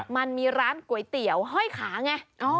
มันมีร้านก๋วยเตี๋ยวห้อยขาไง